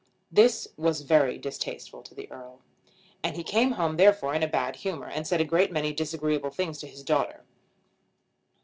This was very distasteful to the Earl, and he came home therefore in a bad humour, and said a great many disagreeable things to his daughter.